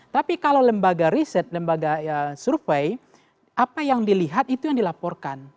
tapi kalau lembaga riset lembaga survei apa yang dilihat itu yang dilaporkan